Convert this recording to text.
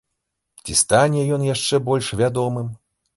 Ці стане ён яшчэ больш вядомым?